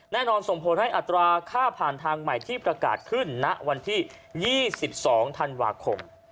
แน่นอนส่งผลให้อัตราค่าผ่านทางใหม่ที่ประกาศขึ้นณวันที่๒๒ธันวาคม